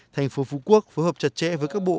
thành phố phú quốc phù hợp chặt chẽ với các bộ